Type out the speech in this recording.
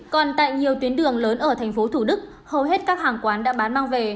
còn tại nhiều tuyến đường lớn ở thành phố thủ đức hầu hết các hàng quán đã bán mang về